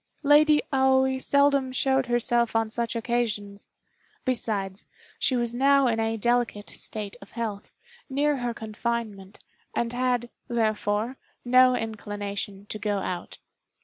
Lady Aoi seldom showed herself on such occasions; besides, she was now in a delicate state of health, near her confinement, and had, therefore, no inclination to go out.